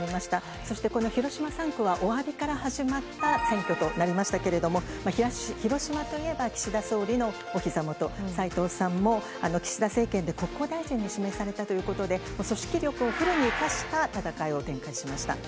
そしてこの広島３区は、おわびから始まった選挙となりましたけれども、広島といえば岸田総理のおひざ元、斉藤さんも岸田政権で国交大臣に指名されたということで、組織力をフルに生かした戦いを展開しました。